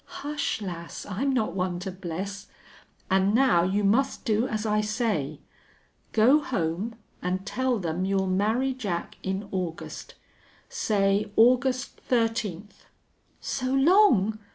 "Hush, lass! I'm not one to bless.... An' now you must do as I say. Go home an' tell them you'll marry Jack in August. Say August thirteenth." "So long!